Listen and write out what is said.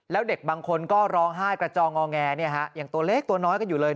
แล้วเด็กบางคนก็ร้องไห้กระจองงอแงอย่างตัวเล็กตัวน้อยกันอยู่เลย